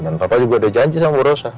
dan papa juga udah janji sama bu rosa